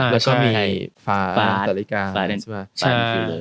แล้วก็มีฟาสศรการนี่ใช่ไหมตายไม่คุยเลย